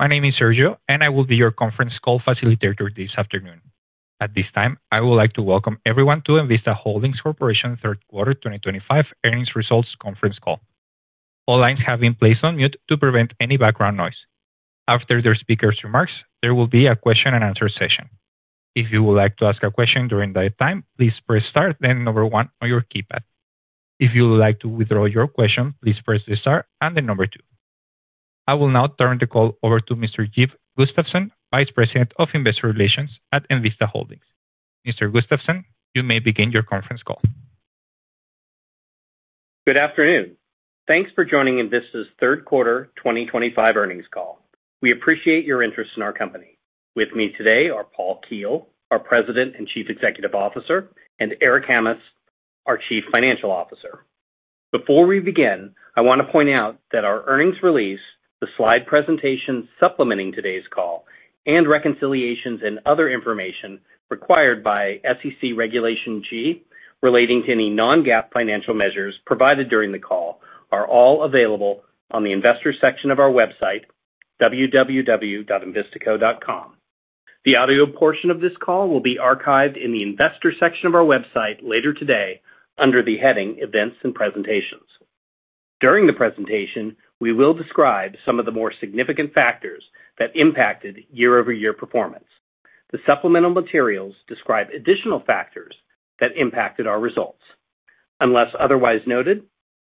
Hello, my name is Sergio, and I will be your conference call facilitator this afternoon. At this time, I would like to welcome everyone to Envista Holdings Corporation's third quarter 2025 earnings results conference call. All lines have been placed on mute to prevent any background noise. After the speaker's remarks, there will be a question-and-answer session. If you would like to ask a question during that time, please press Star, then number one on your keypad. If you would like to withdraw your question, please press Star and then number two. I will now turn the call over to Mr. Jim Gustafson, Vice President of Investor Relations at Envista Holdings. Mr. Gustafson, you may begin your conference call. Good afternoon. Thanks for joining Envista's third quarter 2025 earnings call. We appreciate your interest in our company. With me today are Paul Keel, our President and Chief Executive Officer, and Eric Hammes, our Chief Financial Officer. Before we begin, I want to point out that our earnings release, the slide presentation supplementing today's call, and reconciliations and other information required by SEC Regulation G relating to any non-GAAP financial measures provided during the call are all available on the Investor section of our website, www.envistaco.com. The audio portion of this call will be archived in the Investor section of our website later today under the heading Events and Presentations. During the presentation, we will describe some of the more significant factors that impacted year-over-year performance. The supplemental materials describe additional factors that impacted our results. Unless otherwise noted,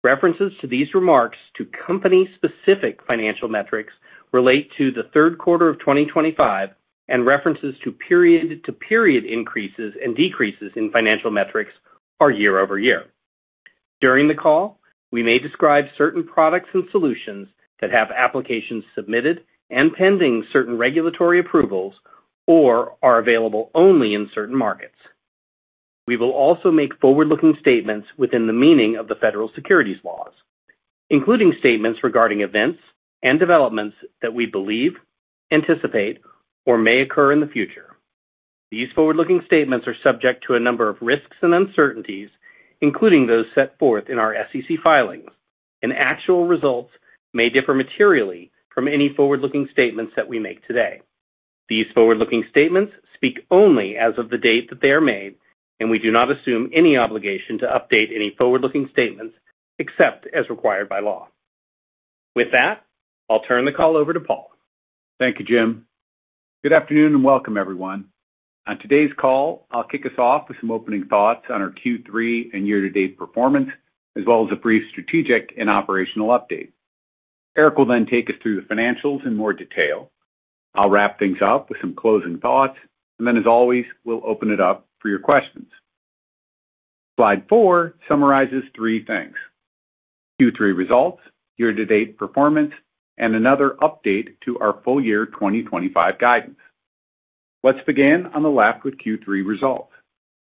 references to these remarks to company-specific financial metrics relate to the Third Quarter of 2025 and references to period-to-period increases and decreases in financial metrics are year-over-year. During the call, we may describe certain products and solutions that have applications submitted and pending certain regulatory approvals or are available only in certain markets. We will also make forward-looking statements within the meaning of the federal securities laws, including statements regarding events and developments that we believe, anticipate, or may occur in the future. These forward-looking statements are subject to a number of risks and uncertainties, including those set forth in our SEC filings, and actual results may differ materially from any forward-looking statements that we make today. These forward-looking statements speak only as of the date that they are made, and we do not assume any obligation to update any forward-looking statements except as required by law. With that, I'll turn the call over to Paul. Thank you, Jim. Good afternoon and welcome, everyone. On today's call, I'll kick us off with some opening thoughts on our Q3 and year-to-date performance, as well as a brief strategic and operational update. Eric will then take us through the financials in more detail. I'll wrap things up with some closing thoughts, and then, as always, we'll open it up for your questions. Slide 4 summarizes three things: Q3 results, year-to-date performance, and another update to our full-year 2025 guidance. Let's begin on the left with Q3 results.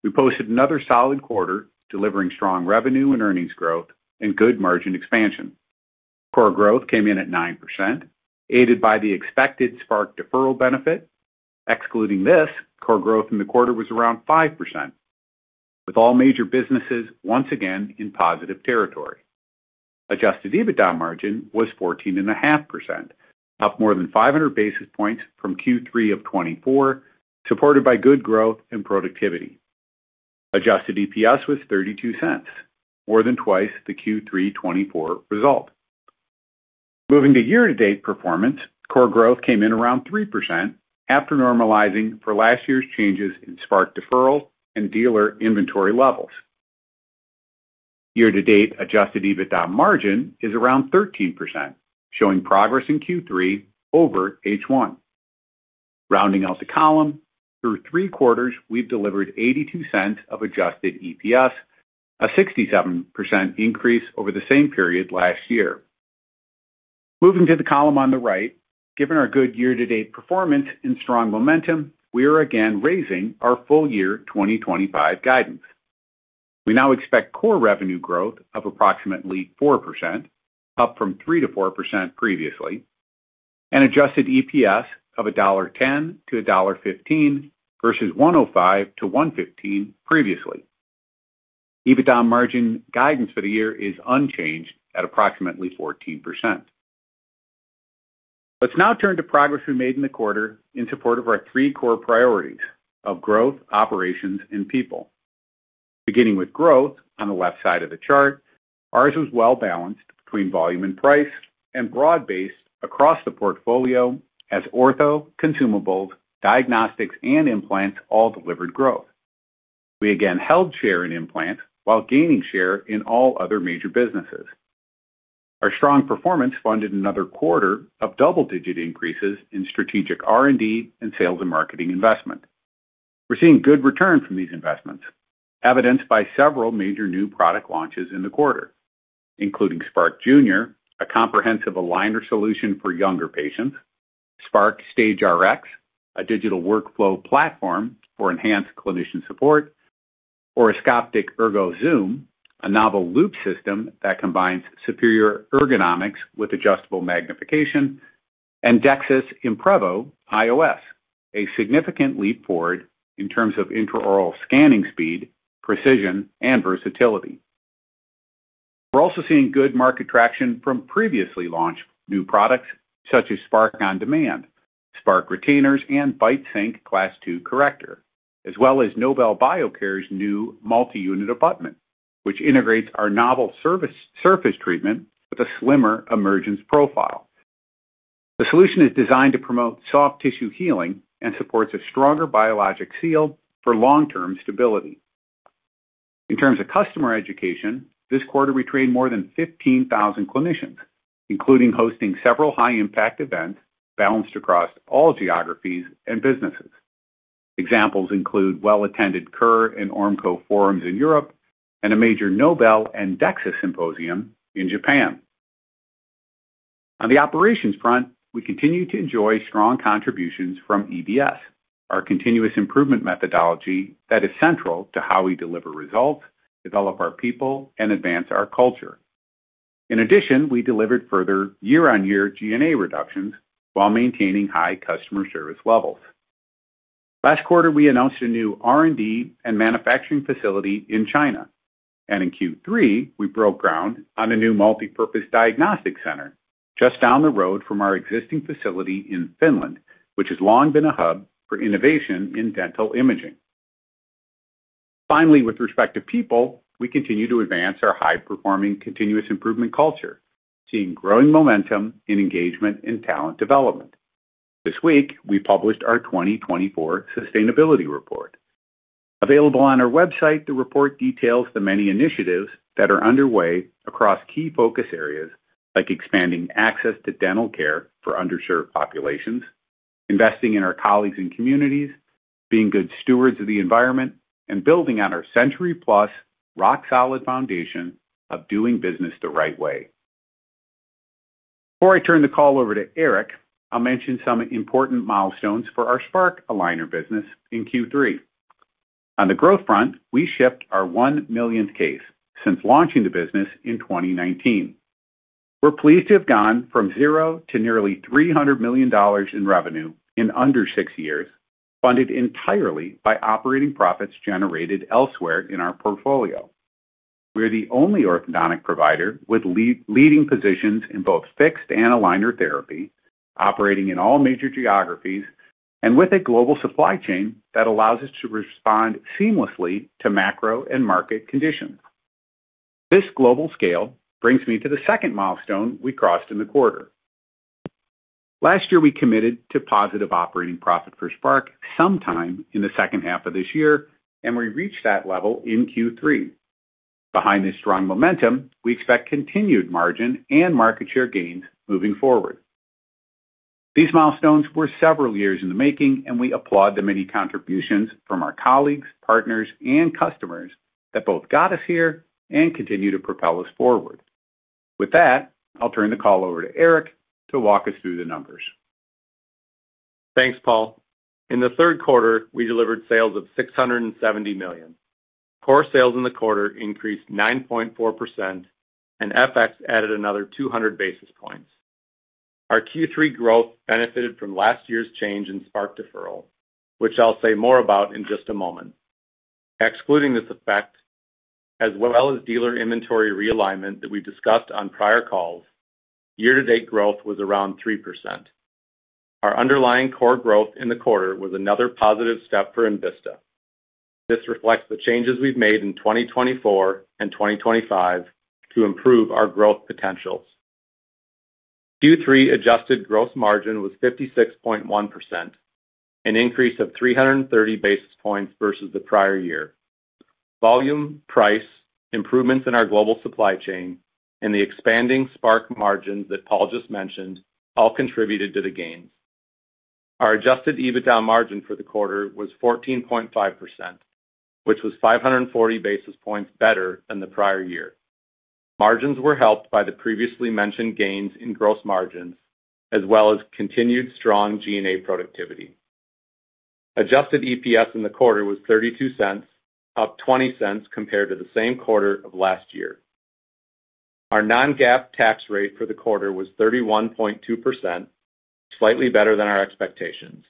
We posted another solid quarter, delivering strong revenue and earnings growth and good margin expansion. Core growth came in at 9%, aided by the expected Spark deferral benefit. Excluding this, core growth in the quarter was around 5%, with all major businesses once again in positive territory. Adjusted EBITDA margin was 14.5%, up more than 500 basis points from Q3 of 2024, supported by good growth and productivity. Adjusted EPS was $0.32, more than twice the Q3 2024 result. Moving to year-to-date performance, core growth came in around 3% after normalizing for last year's changes in Spark deferral and dealer inventory levels. Year-to-date adjusted EBITDA margin is around 13%, showing progress in Q3 over H1. Rounding out the column, through three quarters, we've delivered $0.82 of adjusted EPS, a 67% increase over the same period last year. Moving to the column on the right, given our good year-to-date performance and strong momentum, we are again raising our full-year 2025 guidance. We now expect core revenue growth of approximately 4%, up from 3%-4% previously, and adjusted EPS of $1.10-$1.15 versus $1.05-$1.15 previously. EBITDA margin guidance for the year is unchanged at approximately 14%. Let's now turn to progress we made in the quarter in support of our three core priorities of growth, operations, and people. Beginning with growth on the left side of the chart, ours was well-balanced between volume and price and broad-based across the portfolio as ortho consumables, diagnostics, and implants all delivered growth. We again held share in implants while gaining share in all other major businesses. Our strong performance funded another quarter of double-digit increases in strategic R&D and sales and marketing investment. We're seeing good returns from these investments, evidenced by several major new product launches in the quarter, including Spark Junior, a comprehensive aligner solution for younger patients, Spark Stage RX, a digital workflow platform for enhanced clinician support, Orascoptic ErgoZoom, a novel loupe system that combines superior ergonomics with adjustable magnification, and DEXIS Imprevo iOS, a significant leap forward in terms of intraoral scanning speed, precision, and versatility. We're also seeing good market traction from previously launched new products such as Spark On-Demand, Spark Retainers, and BiteSync Class II Corrector, as well as Nobel Biocare's new multi-unit abutment, which integrates our novel surface treatment with a slimmer emergence profile. The solution is designed to promote soft tissue healing and supports a stronger biologic seal for long-term stability. In terms of customer education, this quarter we trained more than 15,000 clinicians, including hosting several high-impact events balanced across all geographies and businesses. Examples include well-attended CUR and Ormco forums in Europe and a major Nobel and DEXIS symposium in Japan. On the operations front, we continue to enjoy strong contributions from EBS, our continuous improvement methodology that is central to how we deliver results, develop our people, and advance our culture. In addition, we delivered further year-on-year G&A reductions while maintaining high customer service levels. Last quarter, we announced a new R&D and manufacturing facility in China. In Q3, we broke ground on a new multipurpose diagnostic center just down the road from our existing facility in Finland, which has long been a hub for innovation in dental imaging. Finally, with respect to people, we continue to advance our high-performing continuous improvement culture, seeing growing momentum in engagement and talent development. This week, we published our 2024 Sustainability Report. Available on our website, the report details the many initiatives that are underway across key focus areas like expanding access to dental care for underserved populations, investing in our colleagues and communities, being good stewards of the environment, and building on our century-plus rock-solid foundation of doing business the right way. Before I turn the call over to Eric, I'll mention some important milestones for our Spark aligner business in Q3. On the growth front, we shipped our one millionth case since launching the business in 2019. We're pleased to have gone from zero to nearly $300 million in revenue in under six years, funded entirely by operating profits generated elsewhere in our portfolio. We are the only orthodontic provider with leading positions in both fixed and aligner therapy, operating in all major geographies, and with a global supply chain that allows us to respond seamlessly to macro and market conditions. This global scale brings me to the second milestone we crossed in the quarter. Last year, we committed to positive operating profit for Spark sometime in the second half of this year, and we reached that level in Q3. Behind this strong momentum, we expect continued margin and market share gains moving forward. These milestones were several years in the making, and we applaud the many contributions from our colleagues, partners, and customers that both got us here and continue to propel us forward. With that, I'll turn the call over to Eric to walk us through the numbers. Thanks, Paul. In the third quarter, we delivered sales of $670 million. Core sales in the quarter increased 9.4%, and FX added another 200 basis points. Our Q3 growth benefited from last year's change in Spark deferral, which I'll say more about in just a moment. Excluding this effect, as well as dealer inventory realignment that we discussed on prior calls, year-to-date growth was around 3%. Our underlying core growth in the quarter was another positive step for Envista. This reflects the changes we've made in 2024 and 2025 to improve our growth potentials. Q3 adjusted gross margin was 56.1%, an increase of 330 basis points versus the prior year. Volume, price, improvements in our global supply chain, and the expanding Spark margins that Paul just mentioned all contributed to the gains. Our adjusted EBITDA margin for the quarter was 14.5%, which was 540 basis points better than the prior year. Margins were helped by the previously mentioned gains in gross margins, as well as continued strong G&A productivity. Adjusted EPS in the quarter was $0.32, up $0.20 compared to the same quarter of last year. Our non-GAAP tax rate for the quarter was 31.2%, slightly better than our expectations.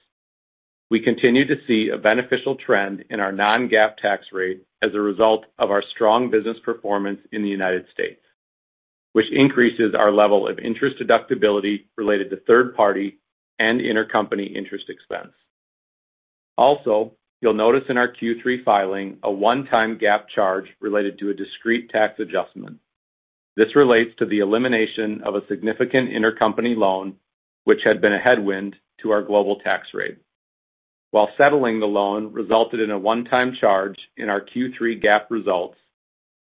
We continue to see a beneficial trend in our non-GAAP tax rate as a result of our strong business performance in the U.S., which increases our level of interest deductibility related to third-party and intercompany interest expense. Also, you'll notice in our Q3 filing a one-time GAAP charge related to a discrete tax adjustment. This relates to the elimination of a significant intercompany loan, which had been a headwind to our global tax rate. While settling the loan resulted in a one-time charge in our Q3 GAAP results,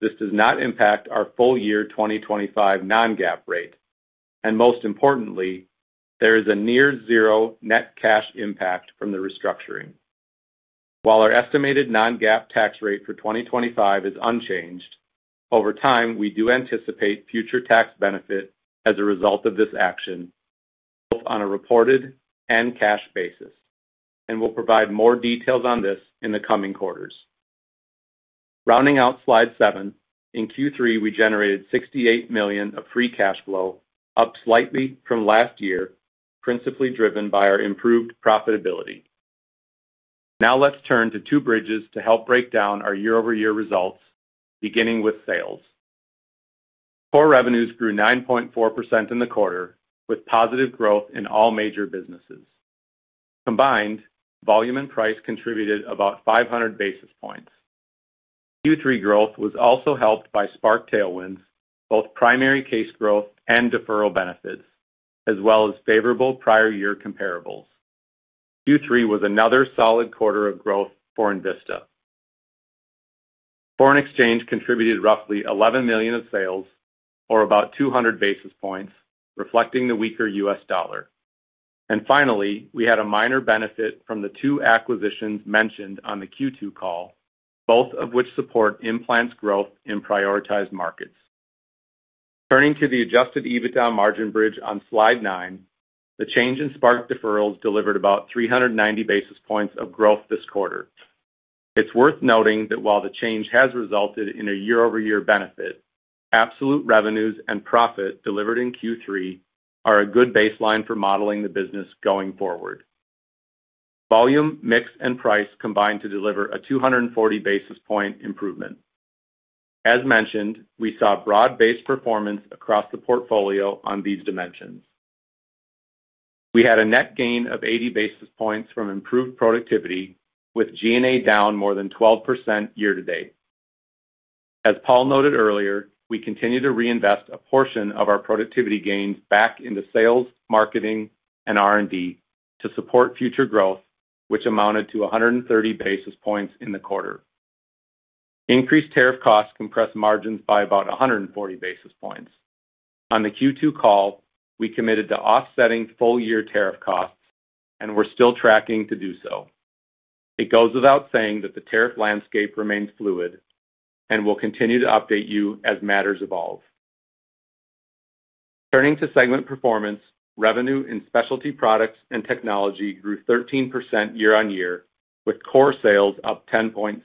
this does not impact our full-year 2025 non-GAAP rate. Most importantly, there is a near-zero net cash impact from the restructuring. While our estimated non-GAAP tax rate for 2025 is unchanged, over time, we do anticipate future tax benefit as a result of this action, both on a reported and cash basis, and we'll provide more details on this in the coming quarters. Rounding out slide 7, in Q3, we generated $68 million of free cash flow, up slightly from last year, principally driven by our improved profitability. Now let's turn to two bridges to help break down our year-over-year results, beginning with sales. Core revenues grew 9.4% in the quarter, with positive growth in all major businesses. Combined, volume and price contributed about 500 basis points. Q3 growth was also helped by Spark tailwinds, both primary case growth and deferral benefits, as well as favorable prior-year comparables. Q3 was another solid quarter of growth for Envista. Foreign exchange contributed roughly $11 million of sales, or about 200 basis points, reflecting the weaker U.S. dollar. Finally, we had a minor benefit from the two acquisitions mentioned on the Q2 call, both of which support implants growth in prioritized markets. Turning to the adjusted EBITDA margin bridge on Slide 9, the change in Spark deferrals delivered about 390 basis points of growth this quarter. It's worth noting that while the change has resulted in a year-over-year benefit, absolute revenues and profit delivered in Q3 are a good baseline for modeling the business going forward. Volume, mix, and price combined to deliver a 240 basis point improvement. As mentioned, we saw broad-based performance across the portfolio on these dimensions. We had a net gain of 80 basis points from improved productivity, with G&A down more than 12% year-to-date. As Paul noted earlier, we continue to reinvest a portion of our productivity gains back into sales, marketing, and R&D to support future growth, which amounted to 130 basis points in the quarter. Increased tariff costs compressed margins by about 140 basis points. On the Q2 call, we committed to offsetting full-year tariff costs and we're still tracking to do so. It goes without saying that the tariff landscape remains fluid and we'll continue to update you as matters evolve. Turning to segment performance, revenue in specialty products and technology grew 13% year-on-year, with core sales up 10.6%.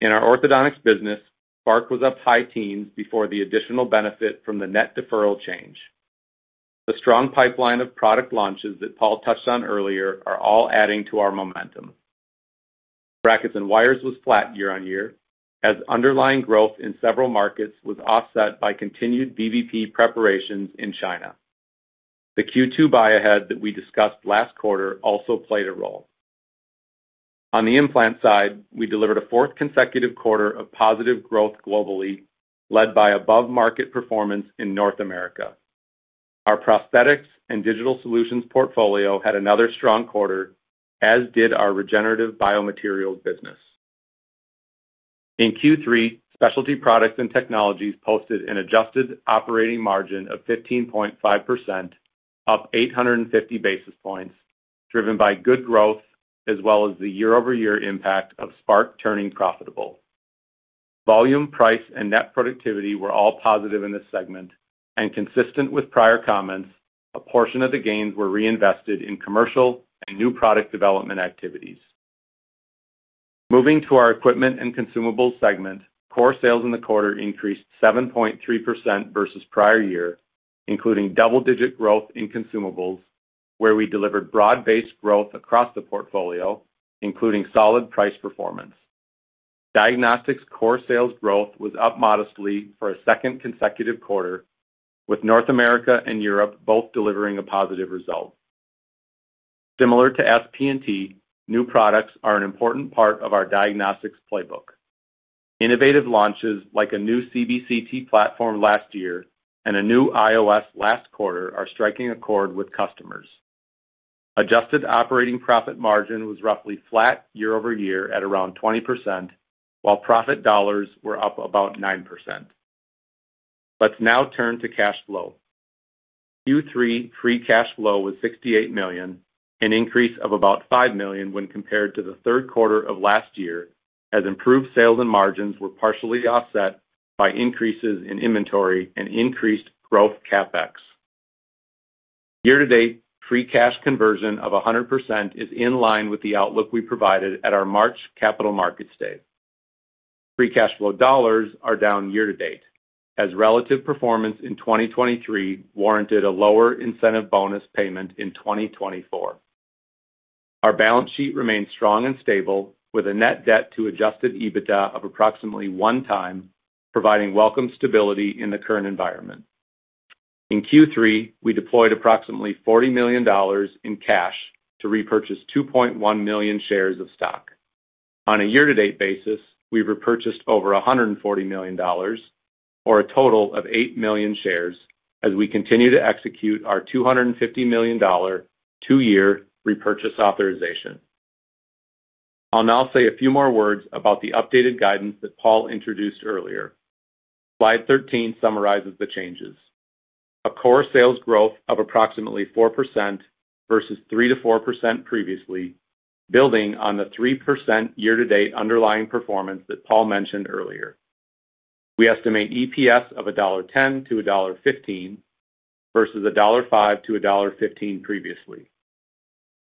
In our orthodontics business, Spark was up high teens before the additional benefit from the net deferral change. The strong pipeline of product launches that Paul touched on earlier are all adding to our momentum. Brackets and wires was flat year-on-year as underlying growth in several markets was offset by continued VBP preparations in China. The Q2 buy-ahead that we discussed last quarter also played a role. On the implant side, we delivered a fourth consecutive quarter of positive growth globally, led by above-market performance in North America. Our prosthetics and digital solutions portfolio had another strong quarter, as did our regenerative biomaterials business. In Q3, specialty products and technologies posted an adjusted operating margin of 15.5%. Up 850 basis points, driven by good growth as well as the year-over-year impact of Spark turning profitable. Volume, price, and net productivity were all positive in this segment, and consistent with prior comments, a portion of the gains were reinvested in commercial and new product development activities. Moving to our equipment and consumables segment, core sales in the quarter increased 7.3% versus prior year, including double-digit growth in consumables, where we delivered broad-based growth across the portfolio, including solid price performance. Diagnostics core sales growth was up modestly for a second consecutive quarter, with North America and Europe both delivering a positive result. Similar to SP&T, new products are an important part of our diagnostics playbook. Innovative launches like a new CBCT platform last year and a new iOS last quarter are striking a chord with customers. Adjusted operating profit margin was roughly flat year-over-year at around 20%, while profit dollars were up about 9%. Let's now turn to cash flow. Q3 free cash flow was $68 million, an increase of about $5 million when compared to the third quarter of last year, as improved sales and margins were partially offset by increases in inventory and increased growth CapEx. Year-to-date, free cash conversion of 100% is in line with the outlook we provided at our March capital markets day. Free cash flow dollars are down year-to-date, as relative performance in 2023 warranted a lower incentive bonus payment in 2024. Our balance sheet remained strong and stable, with a net debt to adjusted EBITDA of approximately one time, providing welcome stability in the current environment. In Q3, we deployed approximately $40 million in cash to repurchase 2.1 million shares of stock. On a year-to-date basis, we've repurchased over $140 million, or a total of 8 million shares, as we continue to execute our $250 million two-year repurchase authorization. I'll now say a few more words about the updated guidance that Paul introduced earlier. Slide 13 summarizes the changes. A core sales growth of approximately 4% versus 3%-4% previously, building on the 3% year-to-date underlying performance that Paul mentioned earlier. We estimate EPS of $1.10-$1.15 versus $1.05-$1.15 previously.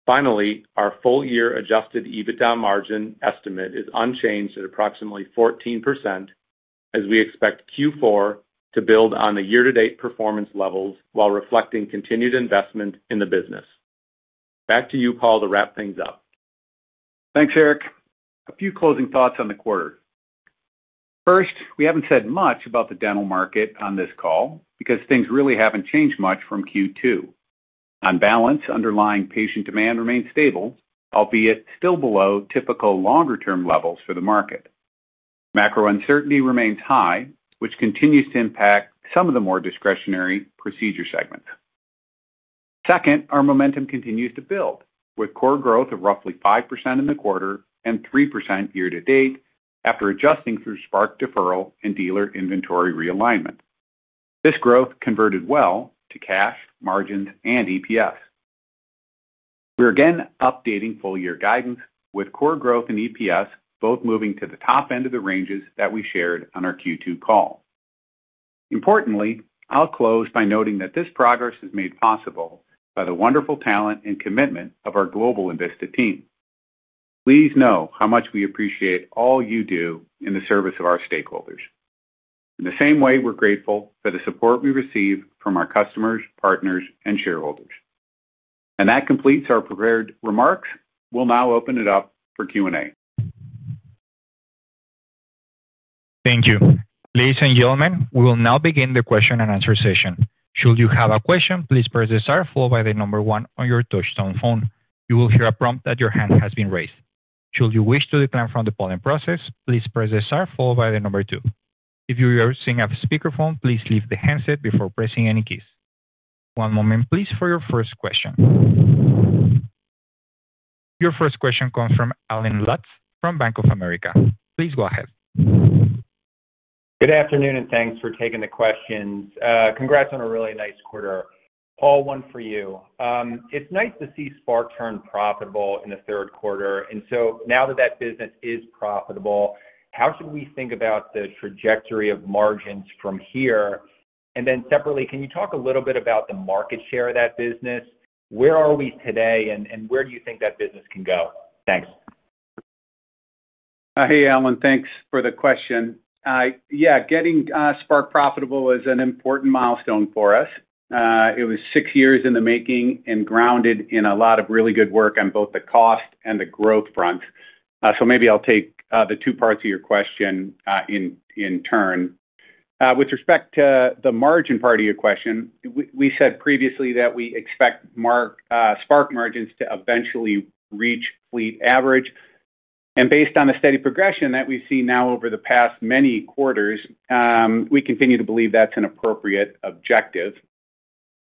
Finally, our full-year adjusted EBITDA margin estimate is unchanged at approximately 14%, as we expect Q4 to build on the year-to-date performance levels while reflecting continued investment in the business. Back to you, Paul, to wrap things up. Thanks, Eric. A few closing thoughts on the quarter. First, we haven't said much about the dental market on this call because things really haven't changed much from Q2. On balance, underlying patient demand remains stable, albeit still below typical longer-term levels for the market. Macro uncertainty remains high, which continues to impact some of the more discretionary procedure segments. Second, our momentum continues to build, with core growth of roughly 5% in the quarter and 3% year-to-date after adjusting through Spark deferral and dealer inventory realignment. This growth converted well to cash, margins, and EPS. We're again updating full-year guidance, with core growth and EPS both moving to the top end of the ranges that we shared on our Q2 call. Importantly, I'll close by noting that this progress is made possible by the wonderful talent and commitment of our global Envista team. Please know how much we appreciate all you do in the service of our stakeholders. In the same way, we're grateful for the support we receive from our customers, partners, and shareholders. That completes our prepared remarks. We'll now open it up for Q&A. Thank you. Ladies and gentlemen, we will now begin the question and answer session. Should you have a question, please press the star followed by the number one on your touch-tone phone. You will hear a prompt that your hand has been raised. Should you wish to decline from the polling process, please press the star followed by the number two. If you are using a speakerphone, please lift the handset before pressing any keys. One moment, please, for your first question. Your first question comes from Allen Lutz from Bank of America. Please go ahead. Good afternoon and thanks for taking the questions. Congrats on a really nice quarter. Paul, one for you. It's nice to see Spark turn profitable in the third quarter. Now that that business is profitable, how should we think about the trajectory of margins from here? Separately, can you talk a little bit about the market share of that business? Where are we today and where do you think that business can go? Thanks. Hey, Allen, thanks for the question. Yeah, getting Spark profitable is an important milestone for us. It was six years in the making and grounded in a lot of really good work on both the cost and the growth fronts. Maybe I'll take the two parts of your question in turn. With respect to the margin part of your question, we said previously that we expect Spark margins to eventually reach fleet average. Based on the steady progression that we see now over the past many quarters, we continue to believe that's an appropriate objective.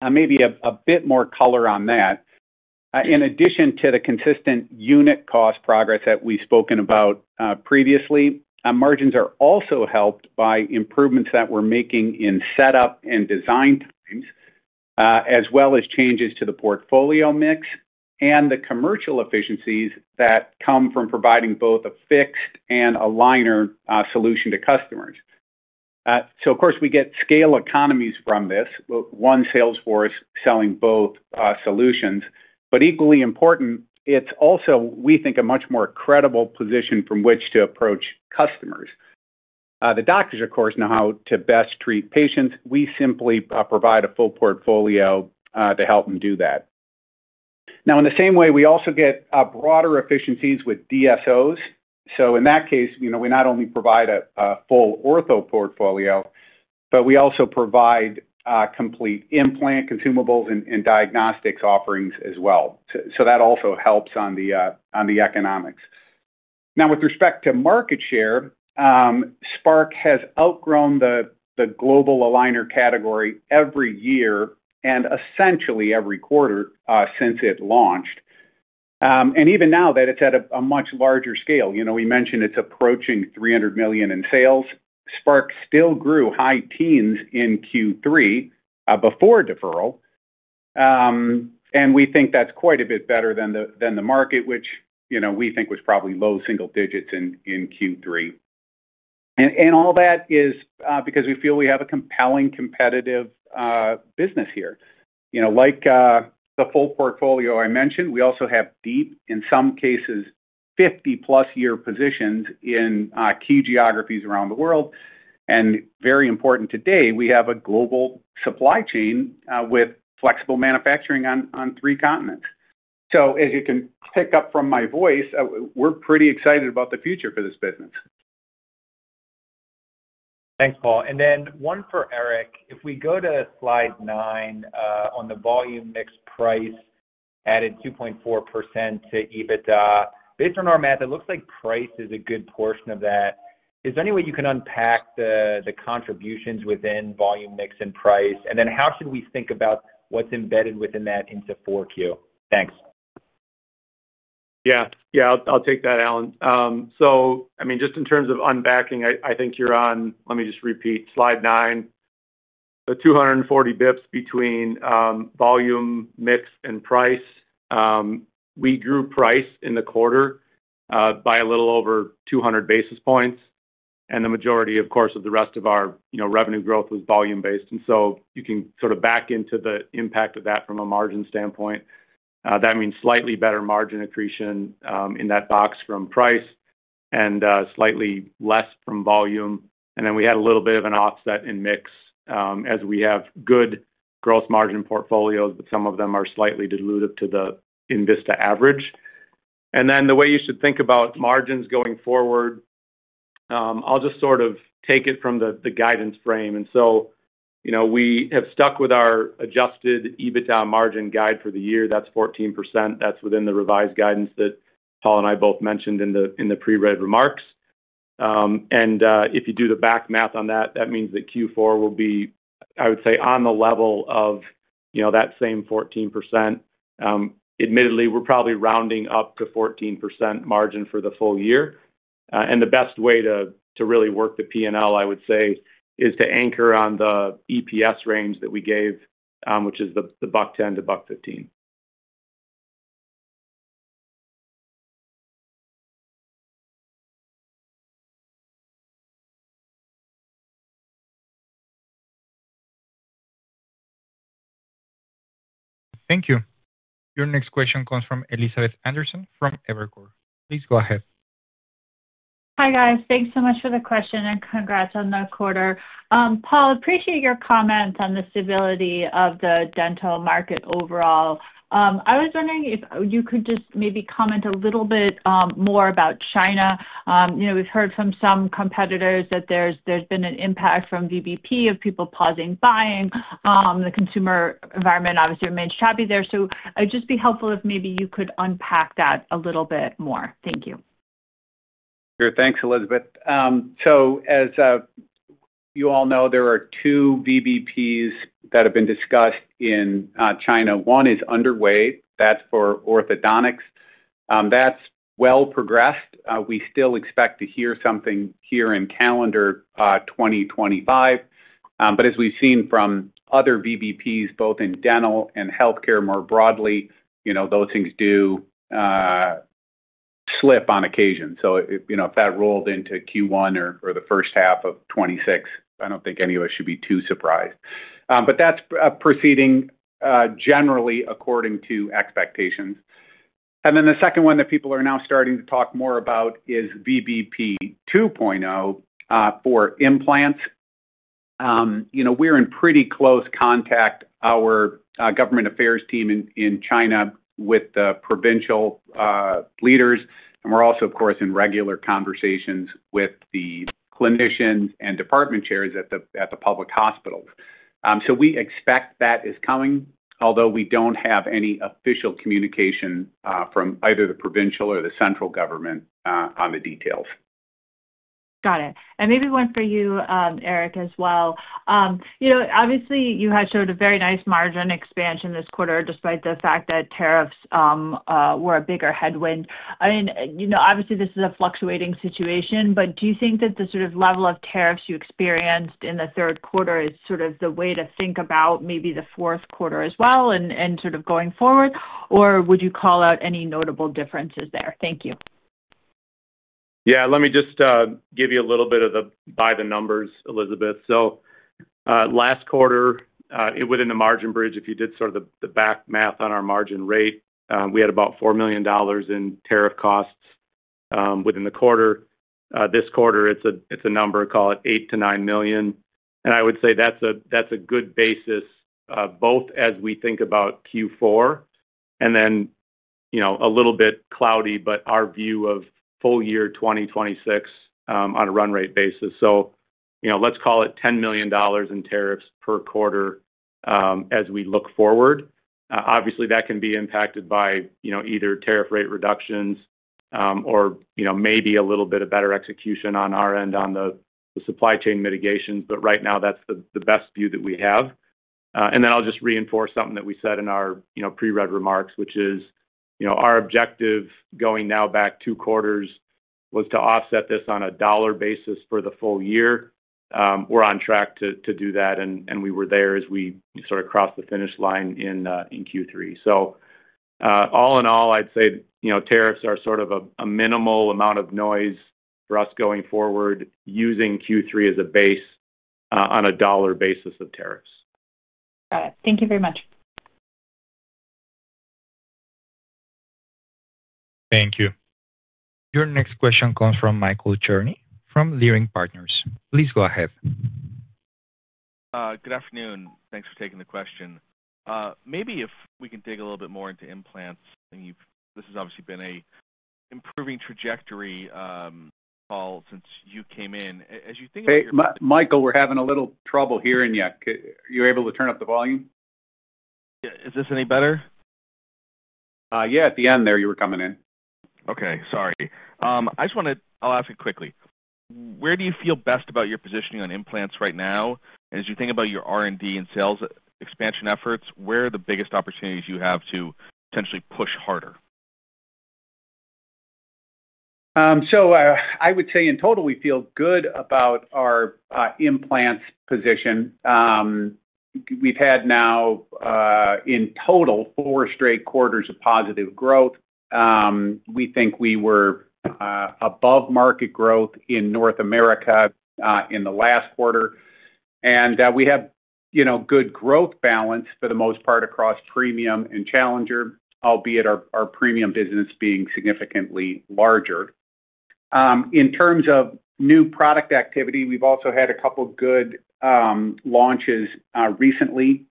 Maybe a bit more color on that. In addition to the consistent unit cost progress that we've spoken about previously, margins are also helped by improvements that we're making in setup and design times, as well as changes to the portfolio mix and the commercial efficiencies that come from providing both a fixed and aligner solution to customers. We get scale economies from this, one sales force selling both solutions. Equally important, it's also, we think, a much more credible position from which to approach customers. The doctors, of course, know how to best treat patients. We simply provide a full portfolio to help them do that. In the same way, we also get broader efficiencies with DSOs. In that case, we not only provide a full ortho portfolio, but we also provide complete implant consumables and diagnostics offerings as well. That also helps on the economics. With respect to market share, Spark has outgrown the global aligner category every year and essentially every quarter since it launched. Even now that it's at a much larger scale, we mentioned it's approaching $300 million in sales. Spark still grew high teens in Q3 before deferral. We think that's quite a bit better than the market, which we think was probably low single digits in Q3. All that is because we feel we have a compelling competitive business here. Like the full portfolio I mentioned, we also have deep, in some cases, 50+ year positions in key geographies around the world. Very important today, we have a global supply chain with flexible manufacturing on three continents. As you can pick up from my voice, we're pretty excited about the future for this business. Thanks, Paul. One for Eric. If we go to Slide 9 on the volume mix, price added 2.4% to EBITDA. Based on our math, it looks like price is a good portion of that. Is there any way you can unpack the contributions within volume mix and price? How should we think about what's embedded within that into 4Q? Thanks. Yeah, I'll take that, Allen. Just in terms of unpacking, I think you're on, let me just repeat, Slide 9. The 240 bps between volume mix and price. We grew price in the quarter by a little over 200 basis points, and the majority, of course, of the rest of our revenue growth was volume-based. You can sort of back into the impact of that from a margin standpoint. That means slightly better margin accretion in that box from price and slightly less from volume. We had a little bit of an offset in mix as we have good gross margin portfolios, but some of them are slightly diluted to the Envista average. The way you should think about margins going forward, I'll just sort of take it from the guidance frame. We have stuck with our adjusted EBITDA margin guide for the year. That's 14%. That's within the revised guidance that Paul and I both mentioned in the pre-read remarks. If you do the back math on that, that means that Q4 will be, I would say, on the level of that same 14%. Admittedly, we're probably rounding up to 14% margin for the full year. The best way to really work the P&L, I would say, is to anchor on the EPS range that we gave, which is the $1.10-$1.15. Thank you. Your next question comes from Elizabeth Anderson from Evercore. Please go ahead. Hi guys. Thanks so much for the question and congrats on the quarter. Paul, I appreciate your comments on the stability of the dental market overall. I was wondering if you could just maybe comment a little bit more about China. We've heard from some competitors that there's been an impact from VBP of people pausing buying. The consumer environment obviously remains choppy there. It'd just be helpful if maybe you could unpack that a little bit more. Thank you. Sure. Thanks, Elizabeth. As you all know, there are two VBPs that have been discussed in China. One is underway, that's for orthodontics. That's well progressed. We still expect to hear something here in calendar 2025. As we've seen from other VBPs, both in dental and healthcare more broadly, those things do slip on occasion. If that rolled into Q1 or the first half of 2026, I don't think any of us should be too surprised. That's proceeding generally according to expectations. The second one that people are now starting to talk more about is VBP 2.0 for implants. We're in pretty close contact, our government affairs team in China, with the provincial leaders. We're also, of course, in regular conversations with the clinicians and department chairs at the public hospitals. We expect that is coming, although we don't have any official communication from either the provincial or the central government on the details. Got it. Maybe one for you, Eric, as well. Obviously, you had showed a very nice margin expansion this quarter despite the fact that tariffs were a bigger headwind. This is a fluctuating situation, but do you think that the sort of level of tariffs you experienced in the third quarter is the way to think about maybe the fourth quarter as well and going forward? Would you call out any notable differences there? Thank you. Let me just give you a little bit of the by the numbers, Elizabeth. Last quarter, within the margin bridge, if you did sort of the back math on our margin rate, we had about $4 million in tariff costs within the quarter. This quarter, it's a number, call it $8 million-$9 million. I would say that's a good basis, both as we think about Q4 and then a little bit cloudy, but our view of full year 2026 on a run rate basis. Let's call it $10 million in tariffs per quarter as we look forward. Obviously, that can be impacted by either tariff rate reductions or maybe a little bit of better execution on our end on the supply chain mitigations, but right now, that's the best view that we have. I'll just reinforce something that we said in our pre-read remarks, which is our objective going now back two quarters was to offset this on a dollar basis for the full year. We're on track to do that, and we were there as we sort of crossed the finish line in Q3. All in all, I'd say tariffs are sort of a minimal amount of noise for us going forward, using Q3 as a base on a dollar basis of tariffs. Got it. Thank you very much. Thank you. Your next question comes from Michael Cherny from Leerink Partners. Please go ahead. Good afternoon. Thanks for taking the question. Maybe if we can dig a little bit more into implants, this has obviously been an improving trajectory. Paul, since you came in, as you think. Michael, we're having a little trouble hearing you. Are you able to turn up the volume? Is this any better? At the end there, you were coming in. Sorry. I just want to, I'll ask it quickly. Where do you feel best about your positioning on implants right now? As you think about your R&D and sales expansion efforts, where are the biggest opportunities you have to potentially push harder? I would say in total, we feel good about our implants position. We've had now in total four straight quarters of positive growth. We think we were above market growth in North America in the last quarter, and we have good growth balance for the most part across premium and challenger, albeit our premium business being significantly larger. In terms of new product activity, we've also had a couple of good launches recently.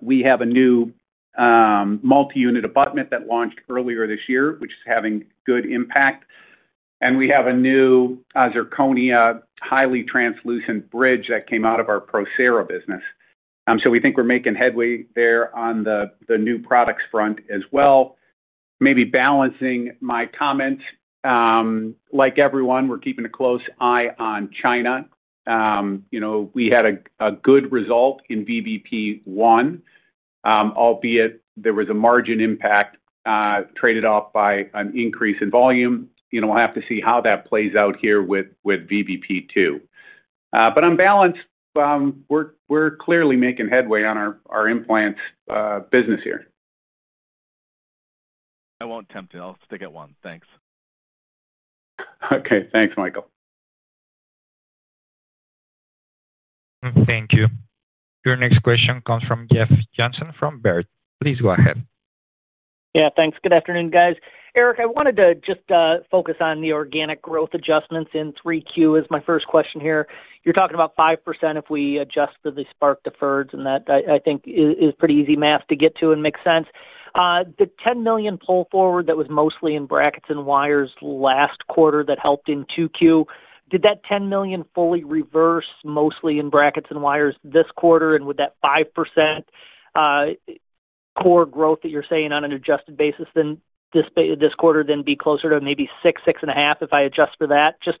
We have a new multi-unit abutment that launched earlier this year, which is having good impact, and we have a new zirconia highly translucent bridge that came out of our Procera business. We think we're making headway there on the new products front as well. Maybe balancing my comments, like everyone, we're keeping a close eye on China. We had a good result in VBP 1, albeit there was a margin impact, traded off by an increase in volume. We'll have to see how that plays out here with VBP 2, but on balance, we're clearly making headway on our implants business here. I won't tempt it. I'll stick at one. Thanks. Okay, thanks, Michael. Thank you. Your next question comes from Jeff Johnson from Baird. Please go ahead. Yeah. Thanks. Good afternoon, guys. Eric, I wanted to just focus on the organic growth adjustments in 3Q as my first question here. You're talking about 5% if we adjust for the Spark deferred, and that I think is pretty easy math to get to and makes sense. The $10 million pull forward that was mostly in brackets and wires last quarter that helped in 2Q, did that $10 million fully reverse mostly in brackets and wires this quarter? Would that 5% core growth that you're saying on an adjusted basis this quarter then be closer to maybe 6%, 6.5% if I adjust for that? Just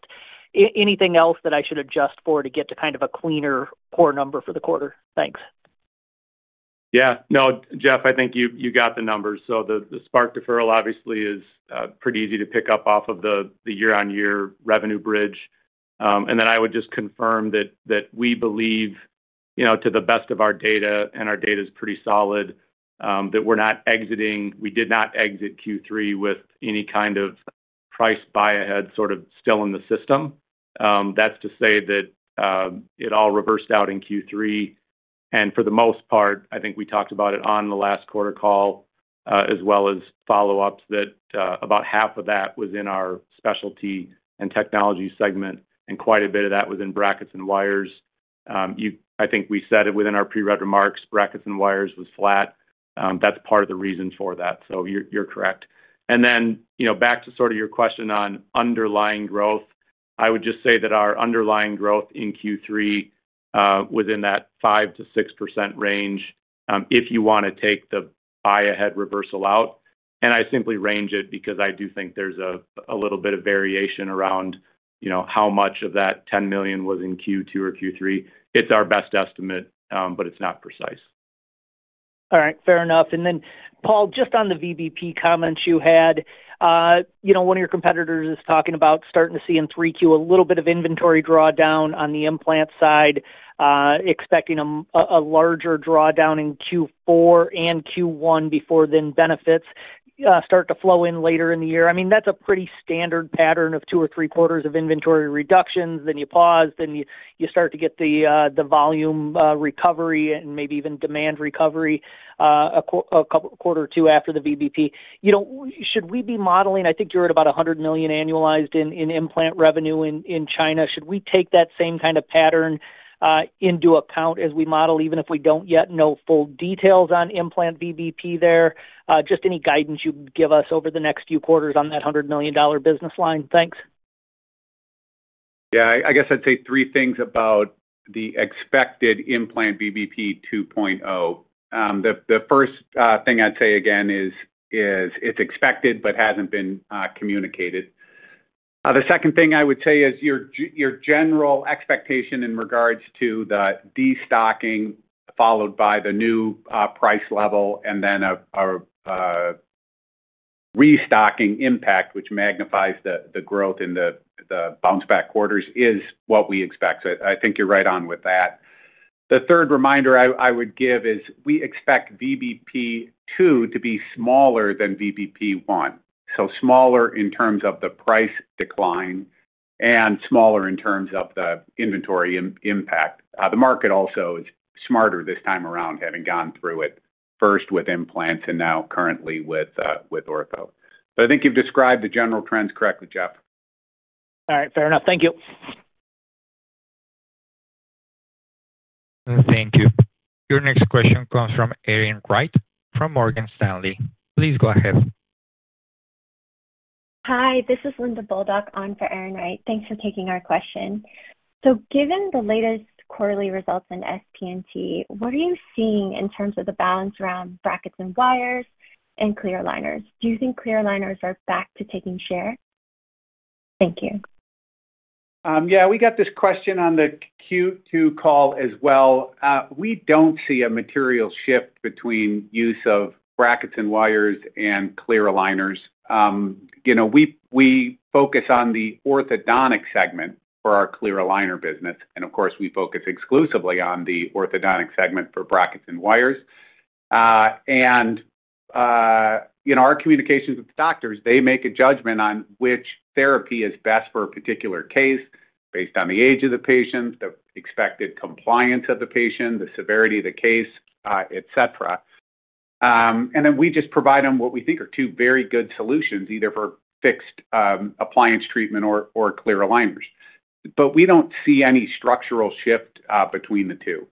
anything else that I should adjust for to get to kind of a cleaner core number for the quarter? Thanks. Yeah. No, Jeff, I think you got the numbers. The Spark deferral obviously is pretty easy to pick up off of the year-on-year revenue bridge. I would just confirm that we believe, to the best of our data, and our data is pretty solid, that we're not exiting. We did not exit Q3 with any kind of price buy ahead sort of still in the system. That's to say that it all reversed out in Q3. For the most part, I think we talked about it on the last quarter call as well as follow-ups that about half of that was in our Specialty and Technology segment, and quite a bit of that was in brackets and wires. I think we said it within our pre-read remarks, brackets and wires was flat. That's part of the reason for that. You're correct. Back to your question on underlying growth, I would just say that our underlying growth in Q3 was in that 5%-6% range if you want to take the buy ahead reversal out. I simply range it because I do think there's a little bit of variation around how much of that $10 million was in Q2 or Q3. It's our best estimate, but it's not precise. All right. Fair enough. Paul, just on the VBP comments you had. One of your competitors is talking about starting to see in Q3 a little bit of inventory drawdown on the implant side, expecting a larger drawdown in Q4 and Q1 before benefits start to flow in later in the year. That's a pretty standard pattern of two or three quarters of inventory reductions. You pause, then you start to get the volume recovery and maybe even demand recovery a quarter or two after the VBP. Should we be modeling? I think you're at about $100 million annualized in implant revenue in China. Should we take that same kind of pattern into account as we model, even if we don't yet know full details on implant VBP there? Any guidance you'd give us over the next few quarters on that $100 million business line? Thanks. Yeah. I guess I'd say three things about the expected implant VBP 2.0. The first thing I'd say is it's expected but hasn't been communicated. The second thing I would say is your general expectation in regards to the destocking followed by the new price level and then a restocking impact, which magnifies the growth in the bounce-back quarters, is what we expect. I think you're right on with that. The third reminder I would give is we expect VBP 2 to be smaller than VBP 1, so smaller in terms of the price decline and smaller in terms of the inventory impact. The market also is smarter this time around, having gone through it first with implants and now currently with ortho. I think you've described the general trends correctly, Jeff. All right. Fair enough. Thank you. Thank you. Your next question comes from Erin Wright from Morgan Stanley. Please go ahead. Hi. This is Linda Bolduc on for Erin Wright. Thanks for taking our question. Given the latest quarterly results in SP&T, what are you seeing in terms of the balance around brackets and wires and clear aligners? Do you think clear aligners are back to taking share? Thank you. Yeah. We got this question on the Q2 call as well. We don't see a material shift between use of brackets and wires and clear aligners. We focus on the orthodontic segment for our clear aligner business. Of course, we focus exclusively on the orthodontic segment for brackets and wires. Our communications with doctors, they make a judgment on which therapy is best for a particular case based on the age of the patient, the expected compliance of the patient, the severity of the case, etc. We just provide them what we think are two very good solutions, either for fixed appliance treatment or clear aligners. We don't see any structural shift between the two.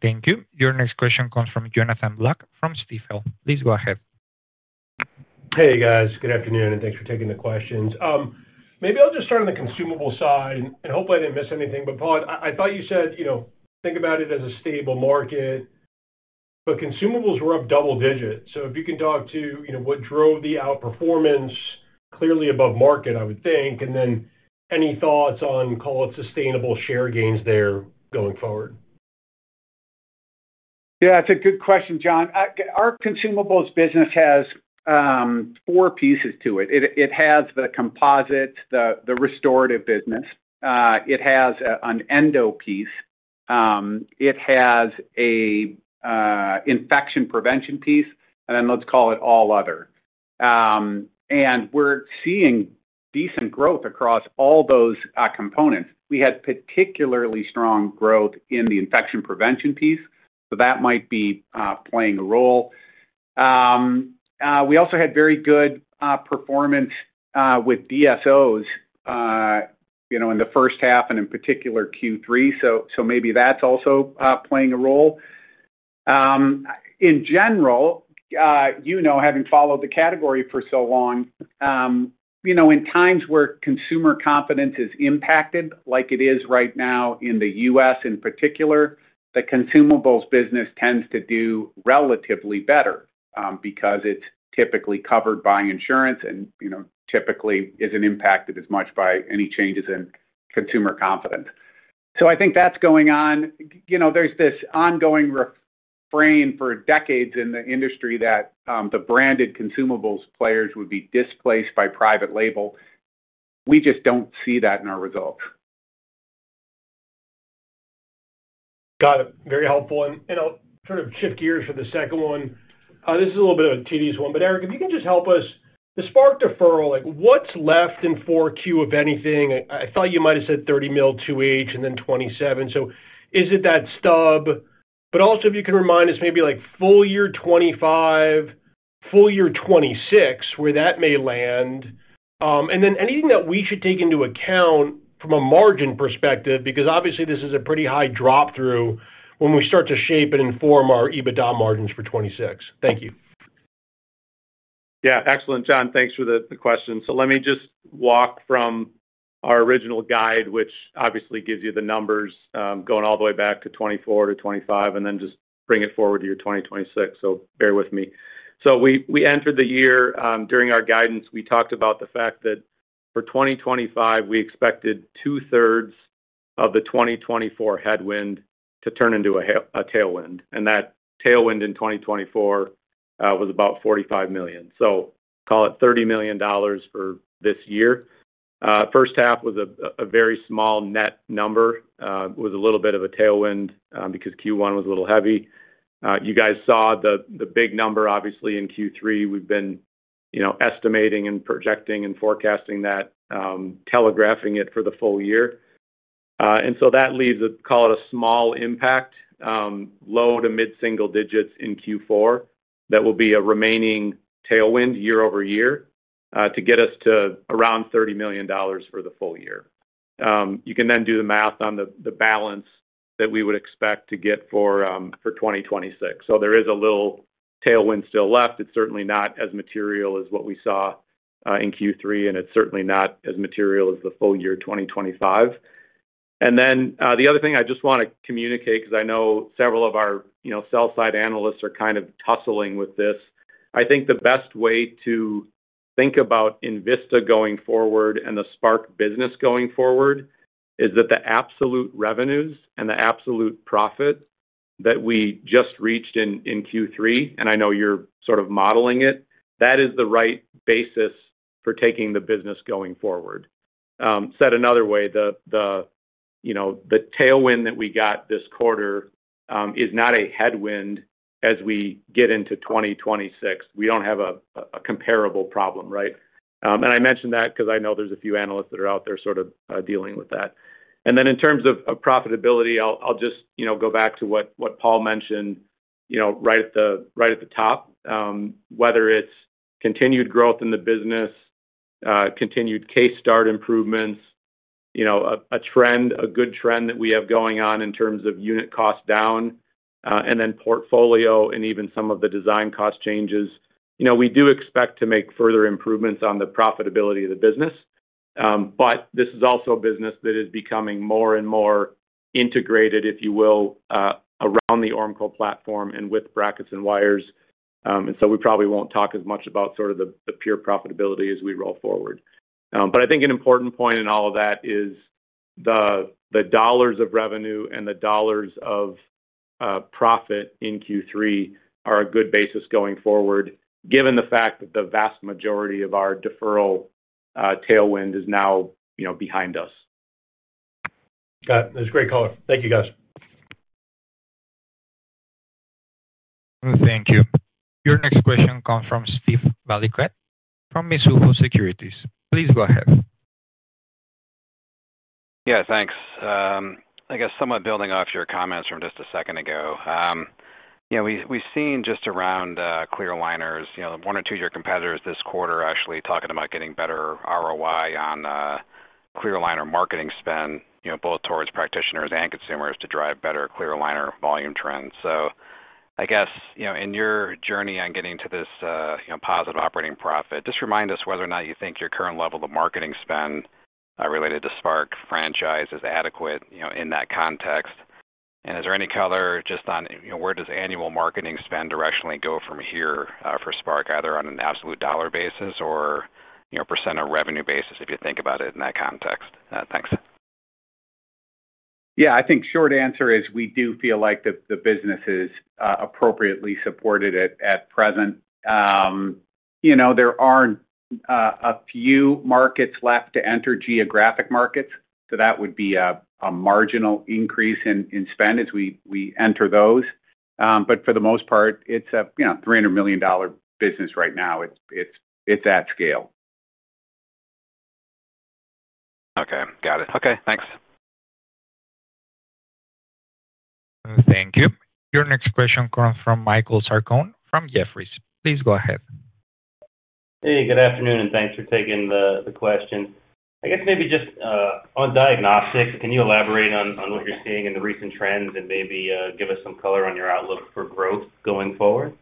Thank you. Your next question comes from Jonathan Block from Stifel. Please go ahead. Hey, guys. Good afternoon, and thanks for taking the questions. Maybe I'll just start on the consumable side, and hopefully I didn't miss anything. Paul, I thought you said think about it as a stable market, but consumables were up double digits. If you can talk to what drove the outperformance, clearly above market, I would think. Any thoughts on, call it, sustainable share gains there going forward? Yeah. It's a good question, Jon. Our consumables business has four pieces to it. It has the composites, the restorative business, it has an endo piece, it has an infection prevention piece, and then let's call it all other. We're seeing decent growth across all those components. We had particularly strong growth in the infection prevention piece, so that might be playing a role. We also had very good performance with DSOs in the first half, and in particular Q3. Maybe that's also playing a role. In general, having followed the category for so long, in times where consumer confidence is impacted, like it is right now in the U.S. in particular, the consumables business tends to do relatively better because it's typically covered by insurance and typically isn't impacted as much by any changes in consumer confidence. I think that's going on. There's this ongoing refrain for decades in the industry that the branded consumables players would be displaced by private label. We just don't see that in our results. Got it. Very helpful. I'll sort of shift gears for the second one. This is a little bit of a tedious one, but Eric, if you can just help us, the Spark deferral, what's left in 4Q, if anything? I thought you might have said $30 million 2H and then $27 million. Is it that stub? If you can remind us maybe full year 2025, full year 2026, where that may land. Is there anything that we should take into account from a margin perspective? Obviously, this is a pretty high drop-through when we start to shape and inform our EBITDA margins for 2026. Thank you. Yeah. Excellent, John. Thanks for the question. Let me just walk from our original guide, which obviously gives you the numbers going all the way back to 2024 to 2025, and then just bring it forward to your 2026. Bear with me. We entered the year during our guidance. We talked about the fact that for 2025, we expected two-thirds of the 2024 headwind to turn into a tailwind. That tailwind in 2024 was about $45 million. Call it $30 million for this year. First half was a very small net number. It was a little bit of a tailwind because Q1 was a little heavy. You guys saw the big number, obviously, in Q3. We've been estimating and projecting and forecasting that, telegraphing it for the full year. That leaves, call it a small impact, low to mid-single digits in Q4 that will be a remaining tailwind year-over-year to get us to around $30 million for the full year. You can then do the math on the balance that we would expect to get for 2026. There is a little tailwind still left. It's certainly not as material as what we saw in Q3, and it's certainly not as material as the full year 2025. The other thing I just want to communicate because I know several of our sell-side analysts are kind of tussling with this. I think the best way to think about Envista going forward and the Spark business going forward is that the absolute revenues and the absolute profit that we just reached in Q3, and I know you're sort of modeling it, that is the right basis for taking the business going forward. Said another way, the tailwind that we got this quarter is not a headwind as we get into 2026. We don't have a comparable problem, right? I mention that because I know there's a few analysts that are out there sort of dealing with that. In terms of profitability, I'll just go back to what Paul mentioned right at the top. Whether it's continued growth in the business, continued K-START improvements, a good trend that we have going on in terms of unit cost down, and then portfolio and even some of the design cost changes, we do expect to make further improvements on the profitability of the business. This is also business that is becoming more and more integrated, if you will, around the Oracle platform and with brackets and wires. We probably won't talk as much about sort of the pure profitability as we roll forward. I think an important point in all of that is the dollars of revenue and the dollars of profit in Q3 are a good basis going forward, given the fact that the vast majority of our deferral tailwind is now behind us. Got it. That's great, Paul. Thank you, guys. Thank you. Your next question comes from Steven Valiquette from Mizuho Securities. Please go ahead. Yeah. Thanks. I guess somewhat building off your comments from just a second ago. We've seen just around clear aligners, one or two of your competitors this quarter actually talking about getting better ROI on clear aligner marketing spend, both towards practitioners and consumers to drive better clear aligner volume trends. I guess in your journey on getting to this positive operating profit, just remind us whether or not you think your current level of marketing spend related to the Spark franchise is adequate in that context. Is there any color just on where does annual marketing spend directionally go from here for Spark, either on an absolute dollar basis or percent of revenue basis if you think about it in that context? Thanks. Yeah. I think short answer is we do feel like the business is appropriately supported at present. There are a few markets left to enter, geographic markets. That would be a marginal increase in spend as we enter those. For the most part, it's a $300 million business right now it's at scale. Okay. Got it. Okay. Thanks. Thank you. Your next question comes from Michael Jüngling from Jefferies. Please go ahead. Hey. Good afternoon, and thanks for taking the question. I guess maybe just on diagnostics, can you elaborate on what you're seeing in the recent trends, and maybe give us some color on your outlook for growth going forward?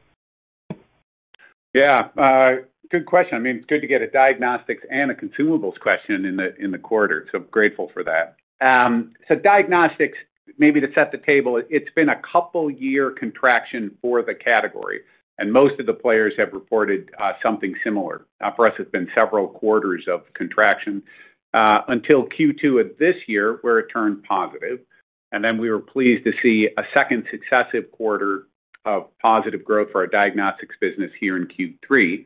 Good question. Good to get a diagnostics and a consumables question in the quarter. Grateful for that. Diagnostics, maybe to set the table, it's been a couple-year contraction for the category. Most of the players have reported something similar. For us, it's been several quarters of contraction until Q2 of this year where it turned positive. We were pleased to see a second successive quarter of positive growth for our diagnostics business here in Q3.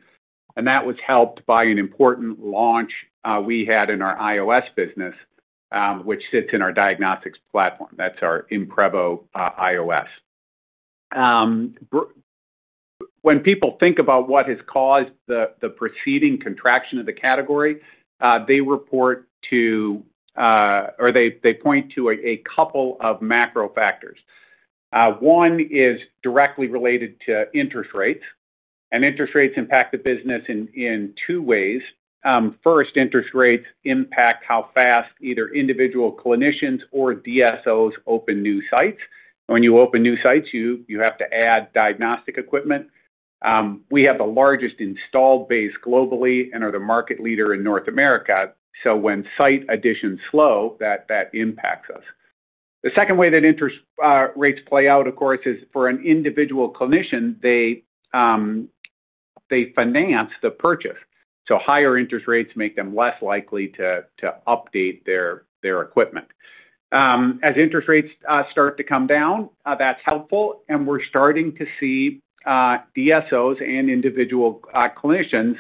That was helped by an important launch we had in our iOS business, which sits in our diagnostics platform. That's our DEXIS Imprevo iOS. When people think about what has caused the preceding contraction of the category, they point to a couple of macro factors. One is directly related to interest rates. Interest rates impact the business in two ways. First, interest rates impact how fast either individual clinicians or DSOs open new sites. When you open new sites, you have to add diagnostic equipment. We have the largest installed base globally and are the market leader in North America. When site additions slow, that impacts us. The second way that interest rates play out is for an individual clinician, they finance the purchase. Higher interest rates make them less likely to update their equipment. As interest rates start to come down, that's helpful. We're starting to see DSOs and individual clinicians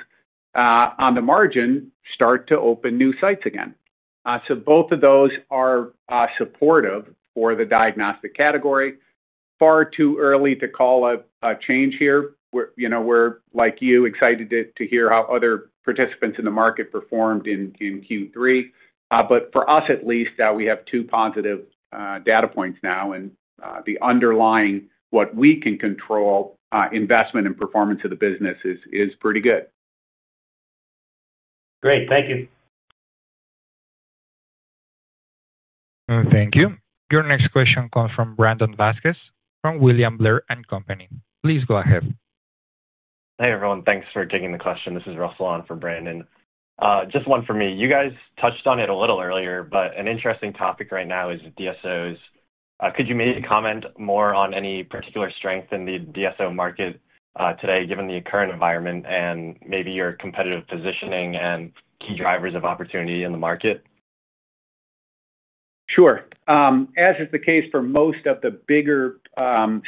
on the margin start to open new sites again. Both of those are supportive for the diagnostic category. Far too early to call a change here. We're, like you, excited to hear how other participants in the market performed in Q3. For us, at least, we have two positive data points now. The underlying what we can control investment and performance of the business is pretty good. Great, thank you. Thank you. Your next question comes from Brandon Vazquez from William Blair & Company. Please go ahead. Hey, everyone. Thanks for taking the question. This is Russell Yuen from Brandon. Just one for me. You guys touched on it a little earlier, but an interesting topic right now is DSOs. Could you maybe comment more on any particular strength in the DSO market today, given the current environment and maybe your competitive positioning and key drivers of opportunity in the market? Sure. As is the case for most of the bigger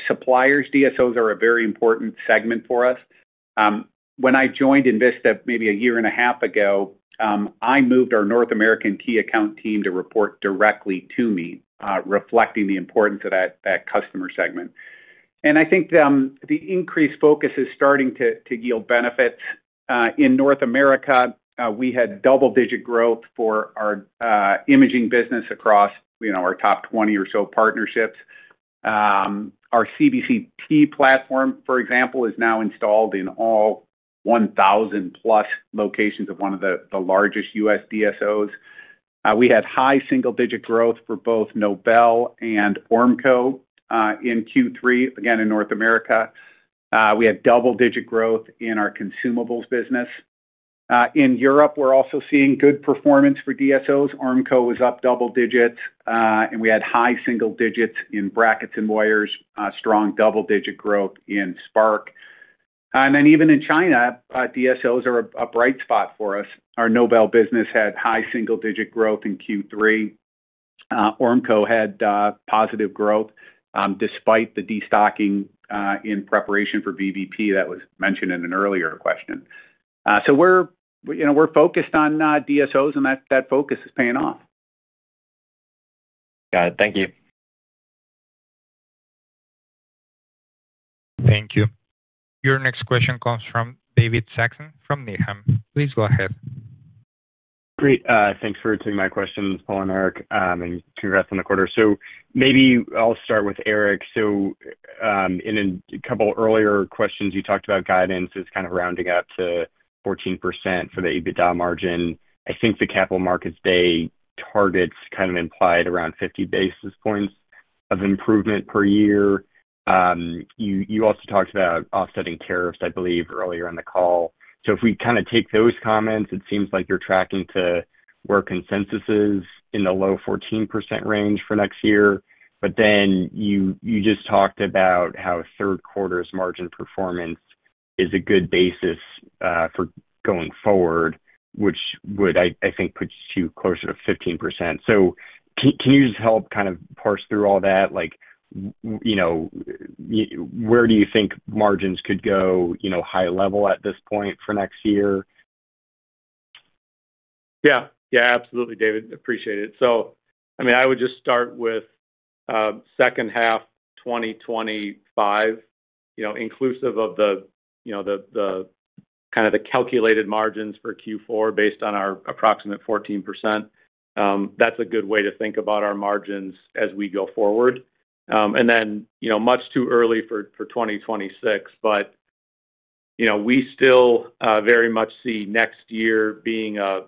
suppliers, DSOs are a very important segment for us. When I joined Envista maybe a year and a half ago, I moved our North American key account team to report directly to me, reflecting the importance of that customer segment. I think the increased focus is starting to yield benefits. In North America, we had double-digit growth for our imaging business across our top 20 or so partnerships. Our CBCT platform, for example, is now installed in all 1,000+ locations of one of the largest U.S. DSOs. We had high single-digit growth for both Nobel Biocare and Ormco in Q3, again, in North America. We had double-digit growth in our consumables business. In Europe, we're also seeing good performance for DSOs. Ormco was up double digits, and we had high single digits in brackets and wires, strong double-digit growth in Spark. Even in China, DSOs are a bright spot for us. Our Nobel business had high single-digit growth in Q3. Ormco had positive growth despite the destocking in preparation for VBP that was mentioned in an earlier question. We're focused on DSOs, and that focus is paying off. Got it. Thank you. Thank you. Your next question comes from David Saxon from Needham. Please go ahead. Great. Thanks for taking my questions, Paul and Eric. Congrats on the quarter. Maybe I'll start with Eric. In a couple of earlier questions, you talked about guidance is kind of rounding up to 14% for the EBITDA margin. I think the capital markets day targets kind of implied around 50 basis points of improvement per year. You also talked about offsetting tariffs, I believe, earlier on the call. If we kind of take those comments, it seems like you're tracking to where consensus is in the low 14% range for next year. You just talked about how third quarter's margin performance is a good basis for going forward, which would, I think, put you closer to 15%. Can you just help kind of parse through all that? Where do you think margins could go high level at this point for next year? Yeah. Yeah. Absolutely, David. Appreciate it. I would just start with second half 2025, inclusive of the kind of the calculated margins for Q4 based on our approximate 14%. That's a good way to think about our margins as we go forward. It's much too early for 2026, but we still very much see next year being a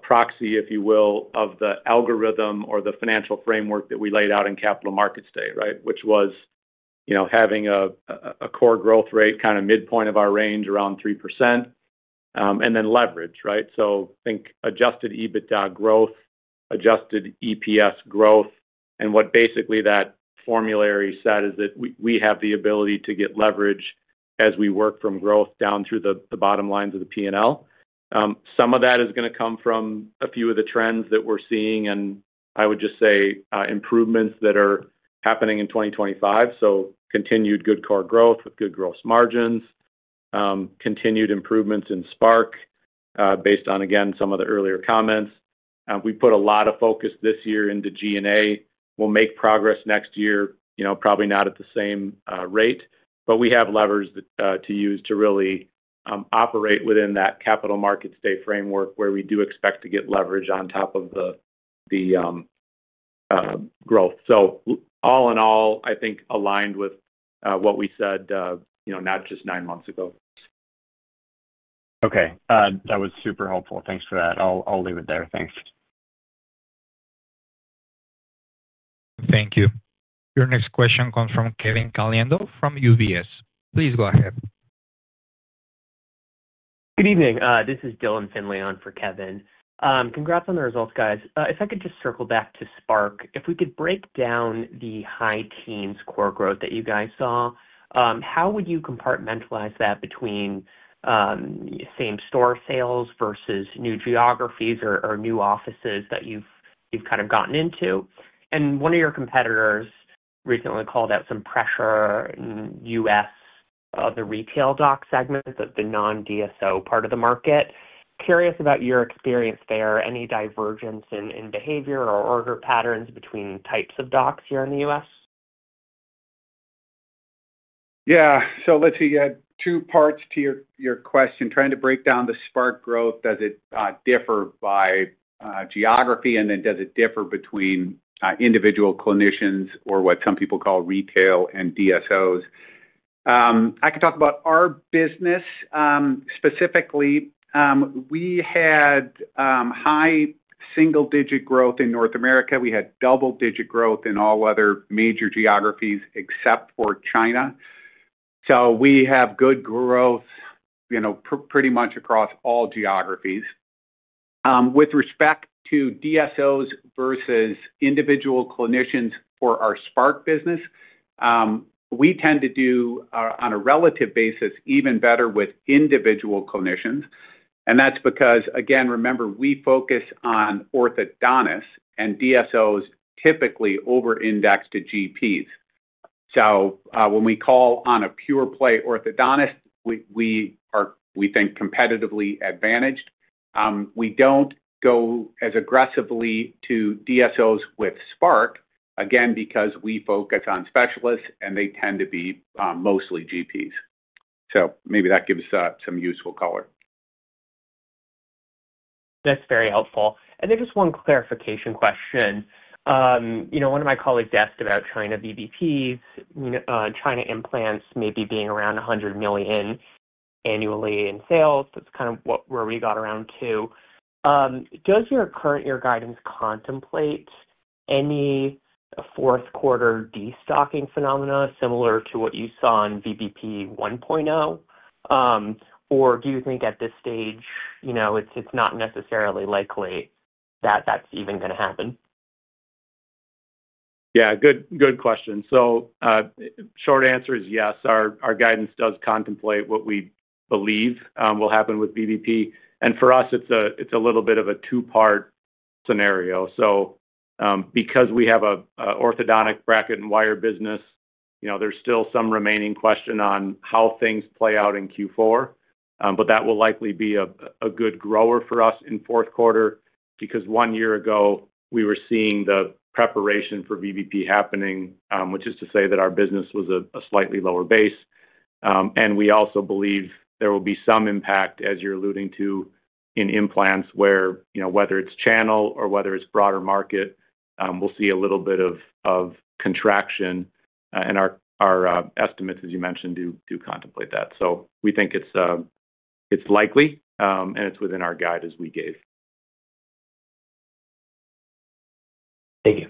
proxy, if you will, of the algorithm or the financial framework that we laid out in capital markets day, right? Which was having a core growth rate kind of midpoint of our range around 3%, and then leverage, right? I think adjusted EBITDA growth, adjusted EPS growth, and what basically that formulary said is that we have the ability to get leverage as we work from growth down through the bottom lines of the P&L. Some of that is going to come from a few of the trends that we're seeing, and I would just say improvements that are happening in 2025. Continued good core growth with good gross margins. Continued improvements in Spark based on, again, some of the earlier comments. We put a lot of focus this year into G&A. We'll make progress next year, probably not at the same rate, but we have levers to use to really operate within that capital markets day framework where we do expect to get leverage on top of the growth. All in all, I think aligned with what we said not just nine months ago. Okay, that was super helpful. Thanks for that. I'll leave it there. Thanks. Thank you. Your next question comes from Kevin Caliendo from UBS. Please go ahead. Good evening. This is Dylan Finley on for Kevin. Congrats on the results, guys. If I could just circle back to Spark, if we could break down the high teens core growth that you guys saw, how would you compartmentalize that between same store sales versus new geographies or new offices that you've kind of gotten into? One of your competitors recently called out some pressure in the U.S. of the retail doc segment, the non-DSO part of the market. Curious about your experience there. Any divergence in behavior or order patterns between types of docs here in the U.S.? Yeah. Let's see. You had two parts to your question. Trying to break down the Spark growth, does it differ by geography? And then does it differ between individual clinicians or what some people call retail and DSOs? I can talk about our business specifically. We had high single-digit growth in North America. We had double-digit growth in all other major geographies except for China. We have good growth pretty much across all geographies. With respect to DSOs versus individual clinicians for our Spark business, we tend to do, on a relative basis, even better with individual clinicians. That's because, again, remember, we focus on orthodontists, and DSOs typically over-index to GPs. When we call on a pure-play orthodontist, we think competitively advantaged. We don't go as aggressively to DSOs with Spark, again, because we focus on specialists, and they tend to be mostly GPs. Maybe that gives some useful color. That's very helpful. Just one clarification question. One of my colleagues asked about China VBP, China implants maybe being around $100 million annually in sales. That's kind of where we got around to. Does your current year guidance contemplate any fourth-quarter destocking phenomena similar to what you saw in VBP 1.0? Do you think at this stage it's not necessarily likely that that's even going to happen? Yeah. Good question. Short answer is yes. Our guidance does contemplate what we believe will happen with VBP. For us, it's a little bit of a two-part scenario because we have an orthodontic bracket and wire business. There's still some remaining question on how things play out in Q4, but that will likely be a good grower for us in fourth quarter because one year ago, we were seeing the preparation for VBP happening, which is to say that our business was a slightly lower base. We also believe there will be some impact, as you're alluding to, in implants where whether it's channel or whether it's broader market, we'll see a little bit of contraction. Our estimates, as you mentioned, do contemplate that. We think it's likely, and it's within our guide as we gave. Thank you.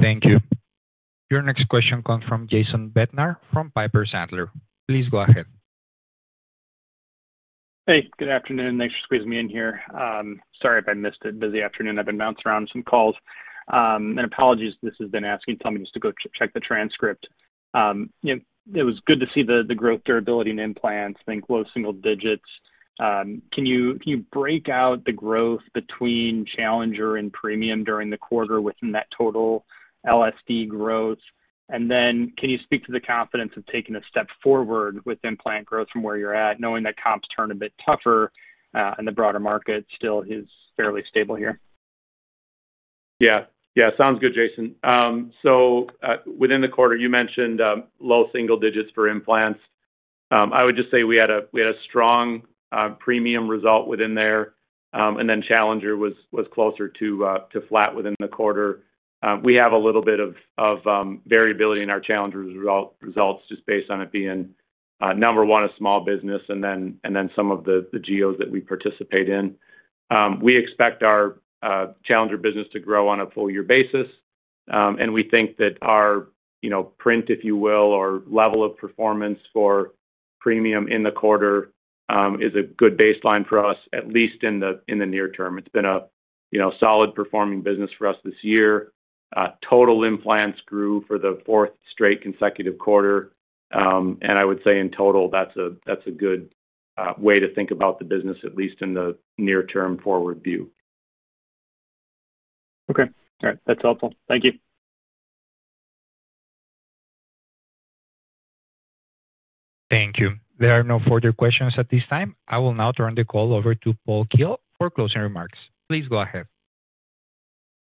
Thank you. Your next question comes from Jason Bednar from Piper Sandler. Please go ahead. Hey. Good afternoon. Thanks for squeezing me in here. Sorry if I missed it. Busy afternoon. I've been bouncing around some calls. Apologies if this has been asked. Tell me just to go check the transcript. It was good to see the growth durability in implants, then close single digits. Can you break out the growth between Challenger and Premium during the quarter within that total LSD growth? Can you speak to the confidence of taking a step forward with implant growth from where you're at, knowing that comps turn a bit tougher and the broader market still is fairly stable here? Yeah. Yeah. Sounds good, Jason. Within the quarter, you mentioned low single digits for implants. I would just say we had a strong premium result within there, and then Challenger was closer to flat within the quarter. We have a little bit of variability in our Challenger results just based on it being number one of small business and then some of the GPOs that we participate in. We expect our Challenger business to grow on a full-year basis, and we think that our print, if you will, or level of performance for premium in the quarter is a good baseline for us, at least in the near term. It's been a solid performing business for us this year. Total implants grew for the fourth straight consecutive quarter, and I would say in total, that's a good way to think about the business, at least in the near-term forward view. Okay. All right. That's helpful. Thank you. Thank you. There are no further questions at this time. I will now turn the call over to Paul Keel for closing remarks. Please go ahead.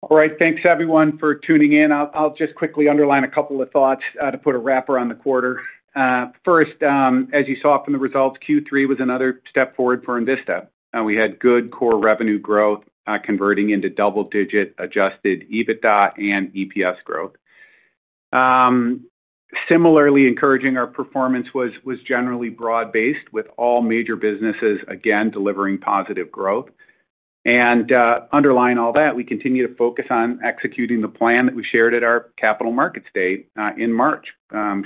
All right. Thanks, everyone, for tuning in. I'll just quickly underline a couple of thoughts to put a wrapper on the quarter. First, as you saw from the results, Q3 was another step forward for Envista. We had good core revenue growth converting into double-digit adjusted EBITDA and EPS growth. Similarly, encouraging, our performance was generally broad-based with all major businesses again delivering positive growth. Underlying all that, we continue to focus on executing the plan that we shared at our Capital Markets Day in March,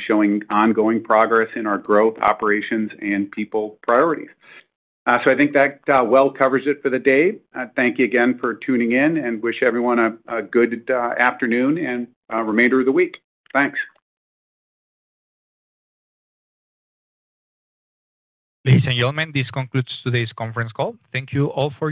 showing ongoing progress in our growth, operations, and people priorities. I think that well covers it for the day. Thank you again for tuning in and wish everyone a good afternoon and remainder of the week. Thanks. Jason Yeoman, this concludes today's conference call. Thank you all for attending.